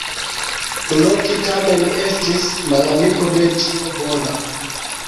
Loki tamen estis malamiko de ĉio bona.